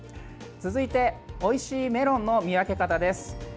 続いて、おいしいメロンの見分け方です。